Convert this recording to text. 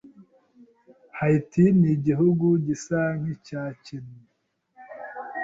Haiti nigihugu gisa nkicyakennye.